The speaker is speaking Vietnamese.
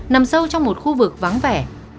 nằm sâu trong một khu vực vắng vẻ